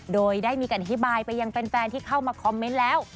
โดยได้มีการอธิบายไปยังแฟนที่เข้ามาคอมเมนต์แล้ว